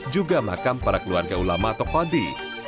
juga makam para keluarga ulama atau khadi